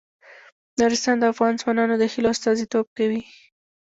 نورستان د افغان ځوانانو د هیلو استازیتوب کوي.